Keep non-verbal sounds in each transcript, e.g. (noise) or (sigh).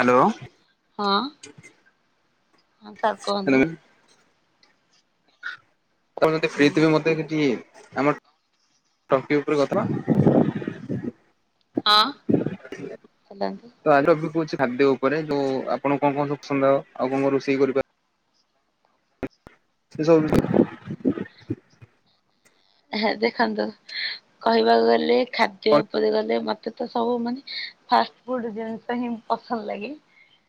Hello ହଁ ଚ୍ ହଁ ସାର୍ କୁହନ୍ତୁ। ତମେ ଯେତେ ଫ୍ରି ଥିବେ ହଁ ମତେ କିଛି ଆମର୍ ଟପିକ ଉପରକୁ କରିଥିଲ। ହଁ ହେଲାନି ତ ଆଜିର ମୁ କହୁଚି ଖାଦ୍ୟ ଉପରେ, ଯୋଉ ଆପଣଙ୍କୁ କଣ କଣ ସବୁ ପସନ୍ଦ। ଆଉ କଣ କ ରୋଷେଇ କରିପା ସେ ସବୁ ଦେଖନ୍ତୁ, କହିବାକୁ ଗଲେ ଖାଦ୍ୟ ଉପରେ ଗଲେ ମତେ ତ ହଉ ମାନେ ଫାଷ୍ଟ୍ ଫୁଡ୍ ଜିନିଷ ହିଁ ପସନ୍ଦ ଲାଗେ।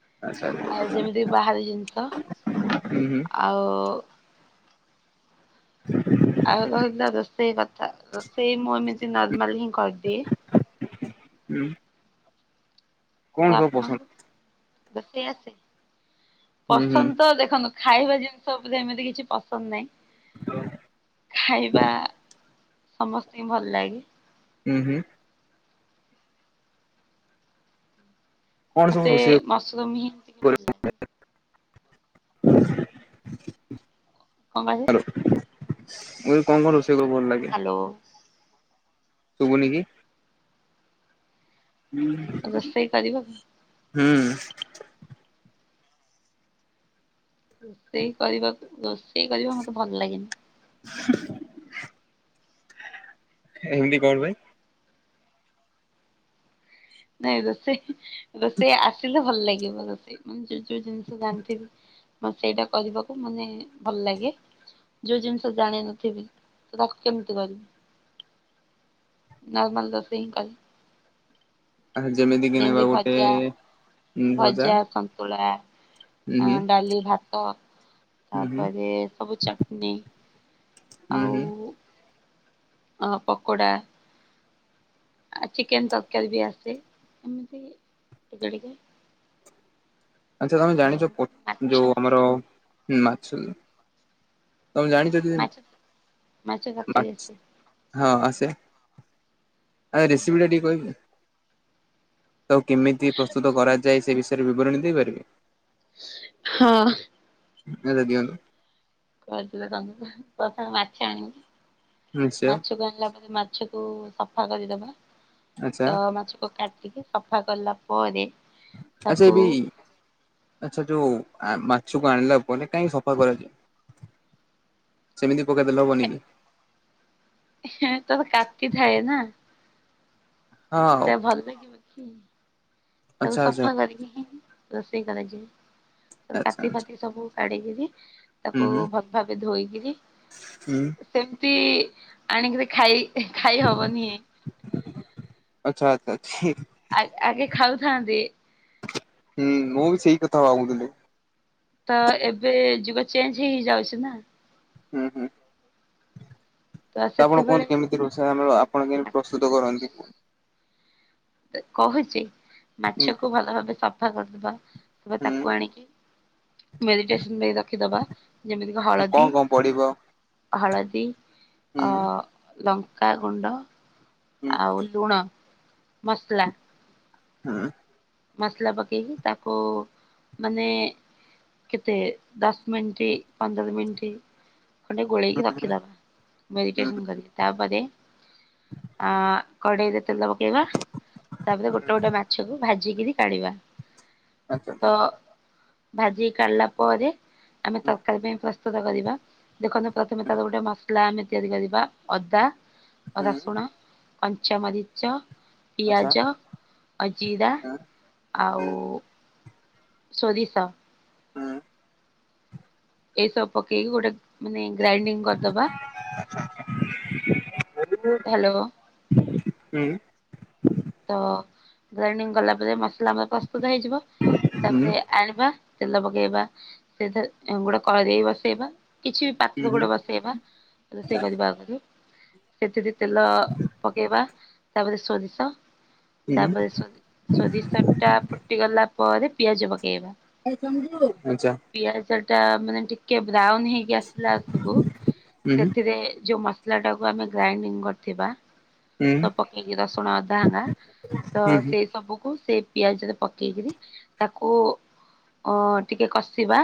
ଆଚ୍ଛା ଆ ଯେମିତି ବାହାର ଜିନିଷ। ହୁଁ ହୁଁ ଆଉ ହ ଆଉ ରହିଲା ରୋଷେଇ କଥା। ରୋଷେଇ ମୁଁ ନିଜେ ନର୍ମାଲ ହିଁ କରିଦିଏ। ହୁଁ କଣ ତ ସବୁ ପସନ୍ଦ ଆପଣଙ୍କୁ? ଯଦି ଆସେ ହୁଁ ହୁଁ ହୁଁ ପସନ୍ଦ ତ ଦେଖନ୍ତୁ। ଖାଇବା ଜିନିଷ ଉପରେ ଏମିତି କିଛି ପସନ୍ଦ ନାହିଁ। ଖାଇବା ସମସ୍ତିଙ୍କି ଭଲ ଲାଗେ। ହୁଁ ହୁଁ କଣ ସବୁ ମତେ ରୋଷେଇ ମସ୍ରୃମ ହିଁ ଟିକେ ଭଲ ଲାଗେ। ଡ୍ଝ୍ କଁ କହିବି? ହାଲୋ ମୁଁ କହିଲି କଣ କଣ ରୋଷେଇ କ ଭଲ ଲାଗେ? ଲୋ। ଶୁବୁନି କି? ହୁଁ। ରୋଷେଇ କରିବ। ହୁଁ। ରୋଷେଇ କରିବାକୁ ରୋଷେଇ କରିବା ମତେ ଭଲ ଲାଗେନି। ଏମିତି କଣ ପାଇଁ? ନାଇଁ ରୋଷେଇ ରୋଷେଇ ଆସିଲେ ଭଲ ଲାଗିବ ରୋଷେଇ ମୁଁ ଯୋଉ ଯୋଉ ଜିନିଷ ଜାଣିଥିବି। ମ ସେଇଟା କରିବାକୁ ମାନେ ଭଲ ଲାଗେ। ଯୋଉ ଜିନିଷ ଜାଣିନଥିବି ତ ତାକୁ କେମିତି କରିବି? ନର୍ମାଲ ରୋଷେଇଁ କରେ। ଆହ ଯେମିତି କି ନେବା ଯେମତି ଗୋଟେ ଭଜା ଭଜା, ସନ୍ତୁଳା। ହୁଁ ଆ ହୁଁ ଡାଲି ଭାତ ହୁଁ ହୁଁ ତାପରେ ସବୁ ଚଟନୀ। ହୁଁ ହୁଁ ଆଉ। ଅଁ ପକୋଡ଼ା। ଆ ଚିକେନ୍ ତରକାରୀ ବି ଆସେ ଏମିତି ଟିକେ ଟିକେ। ଆଚ୍ଛା ତମେ ଆଉ ଜାଣିଛ ପୋ ମାଛ ଯୋଉ ଆମର ମାଛ ତମେ ଜାଣିଛ (unintelligible) ମାଛ ମାଛ ତରକାରୀ ମାଛ୍ ଆସେ। ହଁ ଆସେ ଆ ରେସିପି ଟା ଟିକେ କହିବେ? ତାକୁ କେମିତି ପ୍ରସ୍ତୁତ କରାଯାଏ ସେ ବିଷୟରେ ବିବରଣୀ ଦେଇପାରିବେ? ହଁ। ଏରା ଦିଅନ୍ତୁ। କହିଥିଲେ ତମକୁ ପ୍ରଥମେ ମାଛ ଆଣିବୁ ନିଶ୍ଚୟ ମାଛକୁ ଆଣିଲା ପରେ ମା ମାଛକୁ ସଫା କରିଦବା ଆଚ୍ଛା ତ ମାଛକୁ କାଟିକି ସଫା କଲା ପରେ। ଆ ସେ ତାକୁ ବି ଆଚ୍ଛା ଯୋଉ ଆ ମାଛକୁ ଆଣିଲା ପରେ କାହିଁକି ସଫା କରାଯାଏ? ସେମିତି ପକେଇଦେଲେ ହବନି କି? ହେଁ ତାର କାତି ଥାଏ ନା। ହଁ ସେ ଭଲ୍ ଲାଗିବନି, ହୁଁ। ତାକୁ ଆଚ୍ଛା ଆଚ୍ଛା ସଫା କରିକି ହିଁ ହିଁ ରୋଷେଇ କରାଯାଏ ତ ଆଚ୍ଛା କାତି ଆଚ୍ଛା ଫାତି ସବୁ। କାଢିକିରି ହୁଁ ତାକୁ ହୁଁ ଭଲ୍ ଭାବେ ଧୋଇକିରି। ହୁଁ। ସେମିତି ଆଣିକିରି ଖାଇ ହି ଖାଇ ହବନି। ଆଚ୍ଛା ଆଚ୍ଛା ଛି ଆ ଆଗେ ଖାଉଥାନ୍ତି। ହୁଁ ମୁଁ ବି ସେଇ କଥା ଭାବୁଥିଲି। ତ ଏବେ ଯୁଗ ଚେଞ୍ଜ ହେଇ ହେଇଯାଉଛି ନା। ହୁଁ ହୁଁ। ତ ଆପଣ କୁହନ୍ତୁ କେମିତି ରୋଷେଇ ଆମର ଆପଣ କେମିତି ପ୍ରସ୍ତୁତ କରନ୍ତି? କହୁଛି ମାଛ କୁ ଭଲ ଭାବେ ସ ସଫା କରିଦବା ତାପରେ ତାକୁ ଆଣିକି ମେରିଟେସନ ପାଇଁ ରଖିଦବା ଯେମିତି ହୁଁ କଣ ହଳଦୀ, କଣ ପଡିବ? ହଳଦୀ ହୁଁ ଅ ଲଙ୍କା ଗୁଣ୍ଡ। ହୁଁ ଆଉ ଲୁଣ ମସଲା। ହୁଁ। ମସଲା ପକେଇକି ତାକୁ ମାନେ କେତେ ଦଶ ମିନିଟ୍ ପନ୍ଦର ମିନିଟ୍ ଖଣ୍ଡେ ଗୋଳେଇକି ହୁଁ ରଖିଦବା ହୁଁ ମେରିଟେସନ କରିକି ତା ପରେ ଆ କଡେଇରେ ତେଲ ପ ପକେଇବା ତାପରେ ଗୋଟେ ଗୋଟେ ମାଛକୁ ଭାଜିକିରି କାଢିବା। ଆଚ୍ଛା ତ ଆଚ୍ଛା ଭାଜିକି କାଢିଲା ପରେ ଆମେ ହୁଁ ତରକାରୀ ପାଇଁ ପ୍ରସ୍ତ ପ୍ରସ୍ତୁତ କରିବା ଦେଖନ୍ତୁ ପ୍ରଥମେ ତାର ଗୋଟେ ମସଲା ଆମେ ତିଆରି କରିବା ଅଦା ହୁଁ ରସୁଣ, କଞ୍ଚାମରିଚ, ଆଚ୍ଛା ପିଆଜ, ଅ ଜିରା ହୁଁ ହୁଁ ଆଉ ସୋରିଷ। ହୁଁ। ଏଇସବୁ ପକେଇକି ଗୋଟେ ମାନେ ଗ୍ରାଇଣ୍ଡିଙ୍ଗ୍ କରିଦବା। ହ୍ୟାଲୋ ହୁଁ। ତ ଗ୍ରାଇଣ୍ଡିଙ୍ଗ୍ କଲା ପରେ ମସଲା ଆମର ପ୍ରସ୍ତୁତ ହେଇଯିବ ତାପରେ ଆଣିବା ତେଲ ପକେଇବା ସେଥେରେ ଅ ଗୋଟା କରେଇ ବସେଇବା କିଛି ବି ପାତ୍ର ଗୋଟେ ବସେଇବା ରୋଷେଇ କରିବା ଆଗରୁ, ସେଥିରେ ତେଲ ପକେଇବା ତାପରେ ସୋରିଷ ତାପରେ ସୋ ସୋରିଷ ଟା ଫୁଟି ଗଲା ପରେ ପିଆଜ ପକେଇବା। ଆଚ୍ଛା ପିଆଜ ଟା ମାନେ ଟିକେ ବ୍ରାଉନ ହେଇକି ଆସିଲା ବସୁକୁ ସେଥିରେ ଯୋଉ ମସ ମସଲା ଟାକୁ ଆମେ ଗ୍ରାଇଣ୍ଡିଙ୍ଗ କରିଥିବା ସବୁ ପକେଇକି ରସୁଣ, ଅଦା ଆଙ୍ଗା ତ ସେଇ ସବୁକୁ ସେ ପିଆଜରେ ପକେଇକିରି ତାକୁ ଅଁ ଟିକେ କଷିବା,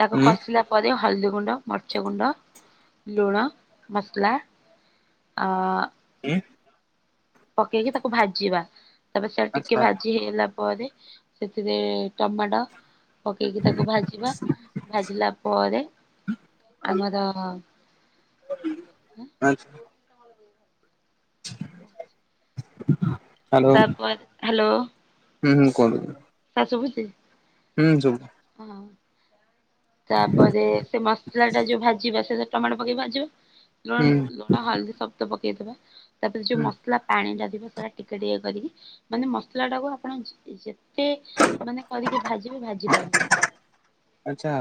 ତାକୁ କଷିଲା ପରେ ହଳଦୀ ଗୁଣ୍ଡ, ମରିଚ ଗୁଣ୍ଡ, ଲୁଣ, ମସଲା ଆଁ ହୁଁ ପକେଇକି ତାକୁ ଭାଜିବା ତାପରେ ସେଟା ଟିକେ ଭାଜି ହେଇଗଲା ପରେ ସେଥିରେ ଟମାଟୋ ପକେଇକି ତାକୁ ଭାଜିବା, ଭାଜିଲା ପରେ ଆମର ଆଚ୍ଛା ତାପରେ ହ୍ୟାଲୋ ହୁଁ ହୁଁ କୁହନ୍ତୁ। ସାର୍ ଶୁଭୁଚି? (unintelligible) (unintelligible) ତାପରେ ସେ ମସଲା ଟା ଯୋଉ ଭାଜିବା ସେ ଟମାଟୋ ପକେଇକ ଭାଜିବା। ଲୁଣ ହଳଦୀ ସବୁ ପକେଇଦବା। ତାପରେ ଯୋଉ ମସଲା ପାଣି ଟା ଥିବ ସେଟା ଟିକେ ଟିକେ କରିକି ମାନେ ମସଲା ଟାକୁ ଆପଣ ଯେତେ ମାନେ କରିକି ଭାଜିିବେ ଭାଜି ପାରିବ। ଆଚ୍ଛା।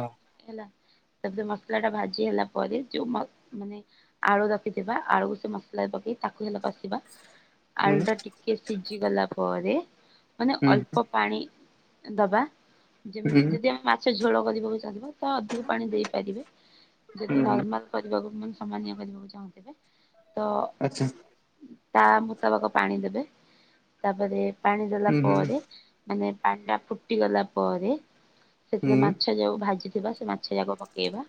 ହେଲା ତାପରେ ମସଲା ଟା ଭାଜି ହେଲା ପରେ ଯୋଉ ମାନେ ଆଳୁ ରଖିଥିବା ଆଳୁକୁ ସେ ମସଲାରେ ପକେଇ ତାକୁ ହେଲେ କସି କସିବା। ଆଳୁଟା ଟିକେ ସିଝି ଗଲା ପରେ ମାନେ ଅଳ୍ପ ପାଣି ଦବା। ଯେମିତି ଯଦି ମାଛ ଝୋଳ କରିବାକୁ ଚାହିଁବେ ତାହାଲେ ଅଧିକ ପାଣି ଦେଇପାରିବେ। ଯଦି ନର୍ମାଲ କରିବାକୁ ସମ୍ମାନୀୟ କରିବାକୁ ଚାହୁଁଥିବେ ତ ଆଚ୍ଛା। ତା ମୁତାବକ ପାଣି ଦେବେ ତାପରେ ପାଣି ଦେଲା ପରେ ମାନେ ପାଣି ଟା ଫୁଟି ଗଲା ପରେ ସେଥିରେ ମାଛ ଯୋଉ ଭାଜିଥିବା ସେ ମାଛ ଯାକ ପକେଇ ପକେଇବା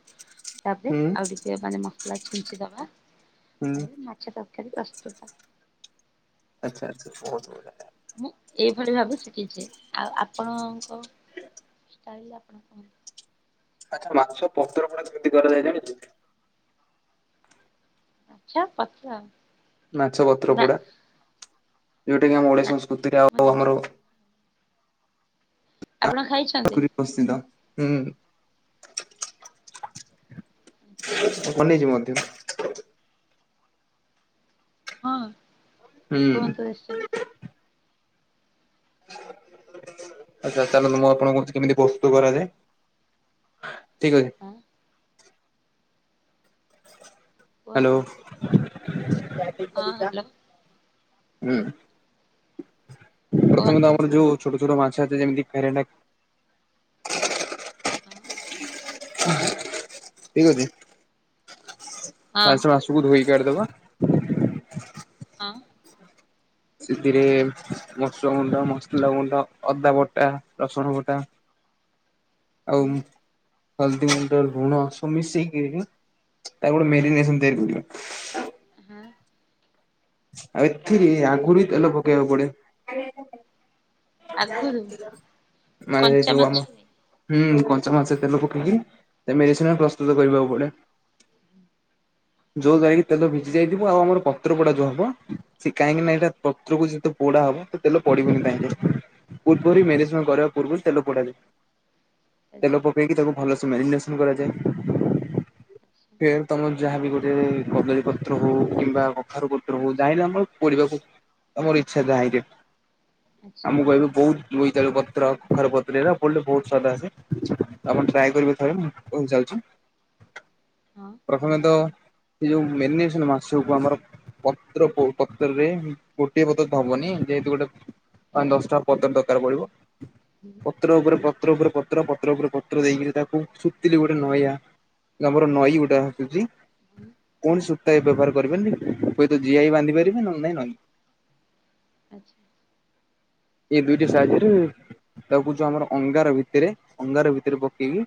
ତାପରେ ଆଉ ଟିକେ ମାନେ ମସଲା ଛିଞ୍ଚି ଦବା। ତାପରେ ମାଛ ତରକାରୀ ପ୍ରସ୍ତୁତ। ଆଚ୍ଛା ଆଛା। ବହୁତ୍ ନ ମୁଁ ଏଇଭଳି ଭାବେ ଶିଖିଛି। ଆଉ ଆପଣଙ୍କ (inaudible) ଚ (unintelligible) ଆଚ୍ଛା ମାଛ ପତ୍ର ପଡା କେମିତି କରାଯଏ ଜାଣିଚୁ? (unintelligible) ମାଛ ପତ୍ର ନା ପଡା ଯୋଉଟା କିି ଆମ ଓଡିଆ ନା ସଂସ୍କୃତିରେ ମୋ ଆଉ ଜୀବନ ଆମର ଆପଣ ଖାଇଛୁ (unintelligible) ହୁଁ (inaudible) ବନେଇଛି ମଧ୍ୟ ହଁ ହୁଁ କୁହନ୍ତୁ ଦେଶି ଆଚ୍ଛା ତାେହାଲେଲେ। (unintelligible) ମୁଁ ଆପଣଙ୍କ କେମିତି ବସ୍ତୁ କରାଯାଏ। ଠିକ ଅଛି। ହଁ ହ୍ୟାଲୋ। କୁହନ୍ତୁ। ହଁ ହ୍ୟାଲୋ ହୁଁ। ପ୍ରଥମେ ତ କୁହନ୍ତୁ ଆମର ଯୋଉ ଛୋଟ ଛଟ ମାଛ ଯେମିତି କେରେଟ ହଁ ଠିକ ଅଛି ହଁ ଆ ସେ ମାସକୁ ଧୋଇକି କାଢିଦବା। ହଁ। ସେଥିରେ ମସ ଲଗୁଣ୍ଡ ମସଲା ଗୁଣ୍ଡ ଅଦା ବଟା, ରସୁଣ ବଟା, ଆଉ ହୁଁ ହଳଦୀ ଗୁଣ୍ଡ ଲୁଣ ସବୁ ମିଶେଇ ତାକୁ ଗୋଟେ ମାରିନେସନ୍ (unintelligible) ହଁ। ଆଉ ଏଥିରେ ଆଙ୍ଗୁଳି ତେଲ ପକେଇବାକୁ ପଡେ। ଆଗରୁ ମାନେ କଞ୍ଚା ଯଉ ଆମ ମାଛରେ ହୁଁ କଞ୍ଚା ମାଛରେ ତେଲ ପକେଇକି ସେ ମେଡିସିନ ପ୍ରସ୍ତୁତ କରିବାକୁ ପଡେ। ଯୋଉ୍ ଗାଇ ତେଲ ଭିଜି ଯାଇଥିବ ଆଉ ଆମ ପତ୍ରପଡା (unintelligible) ସେ କାହିଁକି ନା ଏଇଟା ପତ୍ରକୁ ଯେତ ପୋଡା ହବ ତ ତେଲେ ପଡିବ କି ନାହିଁ। ପୂର୍ବର ମ୍ୟାରିରେସନ୍ କରିବା ପୂର୍ବରୁ ତେଲ ପଡା ଯାଏ। ତେଲ ଆଚ୍ଛା ପକେଇକି ତାକୁ ଭଲସ ମାରିରେସନ କରାଯାଏ। ଆଚ୍ଛା ଫେରେ ତମ ଯାହାବି ଗୋଟେ କଦଳୀପତ୍ର ହଉ କିମ୍ବା କଖାରୁ ପତ୍ର ଯାଲେ ଆମର ପଢିବାକୁ ଆମର ଇଚ୍ଛା ଯାଇରେ ଆଚ୍ଛା ଆମ କହିବି ବହୁତ ବୋଇତାଳୁ ପତ୍ର, କଖାରୁ ପତ୍ର ଏରା ପଡ଼ିଲେ ବହୁତ ସ୍ୱାଦ ଆସେ। ଆପଣ ଟ୍ରାଏ ଆଚ୍ଛା କରିବେ ଥରେ ମୁଁ କ ଯାଉଛି। ହଁ। ପ୍ରଥମେ ତ ସେ ଯୋଉ ମେ ମାସକୁ ଆମର ପତ୍ର ପତ୍ରରେ ଗୋଟିଏ ପତ୍ର ତ ହବନି ଯେହେତୁ ଗୋଟେ ପା ଦଶଟା ପତର ଦରକାର ପଡିବ। ହୁଁ। ପତ୍ର ଉପରେ ପତ୍ର ଉପରେ ପତ୍ର ପତ୍ର ଉପରେ ପତ୍ର ଦେଇକରି ତାକୁ ଶତିଥିଲି ଗୋଟେ ନଇଆ ଆମର ନଈ ଗୋଟା ଆସୁଛି ହୁଁ କୌଣ ସୂତା ଏ ବ୍ୟବହାର କରିବେନି। ହୁଏ ତ ଜିଆଇ ବାଧି ପାରେ ନାଇ ନଁ ଆଚ୍ଛା। ଏଇ ଦୁଇଟି ସାହାଯ୍ୟରେ ତାକୁ ଯୋଉ ଆମର ଅଙ୍ଗାର ଭିତରେ ଅଙ୍ଗାର ଭିତରେ ପକେଇକି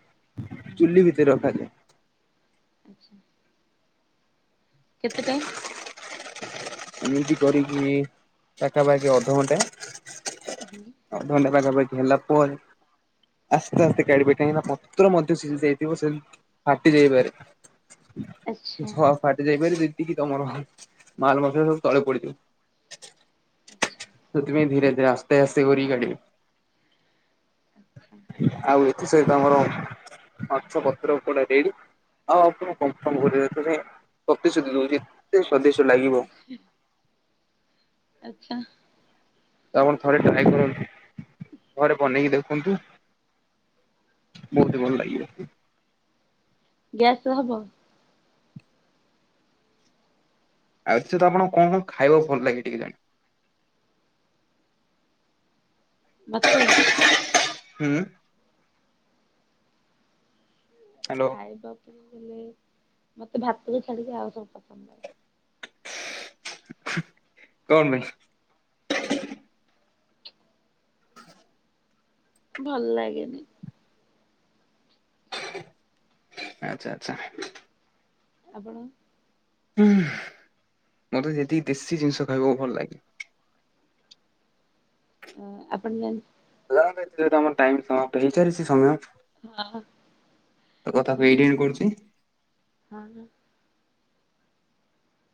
ହଁ ଚୁଲି ଭିତରେ ରଖାଯାଏ। ଆଚ୍ଛା। କେତେ ଟାଇମ୍ ଏମତି କରିକି ପାଖାପାଖି ଅର୍ଧଘଣ୍ଟା ହୁଁ। ହଉ ଧନ୍ୟବାଦ ଭବଠ ହେଲା ପରେ ଆସ୍ତେ ଆସ୍ତେ କାଢିବେ କାହିଁି ନା ପତ୍ର ମଧ୍ୟ ସିଝି ଯାଇଥିବ ସେ ଫାଟି ଯାଇପାରେ। ଆଚ୍ଛା ଛ ଫାଟି ଯାଇପାରିବି ଯେତିକି ତମର ମାଲ ମଛ ସବୁ ତଳେ ପଡିଯିବ। ଆଚ୍ଛା ତ ତୁମେ ଧୀରେ ଧୀରେ ଆସତା ଆସେ ଗରି ଗାଡି ଆଚ୍ଛା ଆଉ ଏଥି ସହିତ ଆମର ମାଛ ପତ୍ର କଟା ଡି ଆଉ ଆପଣଙ୍କୁ କନଫର୍ମ କରିଦେ ପ୍ରତି ସୁଧି ଦଉଛି। ସଦେଶ ଲାଗିବ। ଆଛା। ତ ଆପଣ ଥରେ ଟ୍ରାଏ କରନ୍ତୁ ଥରେ ବନେଇକି ଦେଖନ୍ତୁ। ବହୁତ ବଲ ଲାଗଏ। ଗ୍ୟାସ ହବ। ଆଉ ସେ ତ ଆଣ କଣ କଣ ଖାଇବା ଭଲ ଲାଗେ ଟିକେ ଜାଣି। ମତେ ହୁଁ। ହ୍ୟାଲୋ ଖାଇବାକୁ ହେଲେ ମତେ ଭାତକୁ ଛାଡିକି ଆଉ ସବୁ ପସନ୍ଦ ଲାଗେ। କଣ ପାଇଁ? ଭଲ ଲାଗେନି। ଆଚଛା ଆଚ୍ଛା। ଆପଣ ମତେ ଯେତିକି ଦେଶୀ ଜିନିଷ ଖାଇବକୁ ଭଲ ଲାଗେ। । ଅ ଆପଣ ଏ ଯ ଆମ ଟାଇ ସମପ୍ ହେଇାରିଛି ସମୟ ହ ତ କଥାକୁ ଏଇଠି ହଁ ଏଣ୍ଡ କରୁଛି। ହଁ।